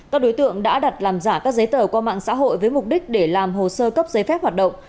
các đối tượng đã đặt làm giả các giấy tờ qua mạng xã hội với mục đích để làm hồ sơ cấp giấy phép hoạt động